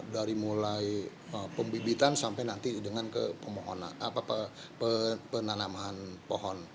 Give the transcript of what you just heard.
dari mulai pembibitan sampai nanti dengan penanaman pohon